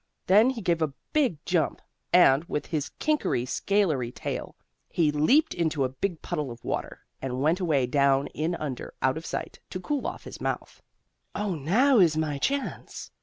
Then he gave a big jump, and, with his kinkery scalery tail, he leaped into a big puddle of water, and went away down in under, out of sight, to cool off his mouth. "Oh, now is my chance!